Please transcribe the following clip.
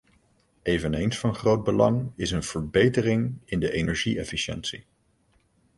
Eveneens van groot belang is een verbetering in de energie-efficiëntie.